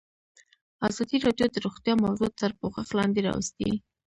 ازادي راډیو د روغتیا موضوع تر پوښښ لاندې راوستې.